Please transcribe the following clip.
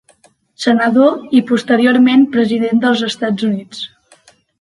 Senador i posteriorment president dels Estats Units.